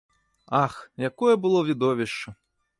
Ах, якое было відовішча!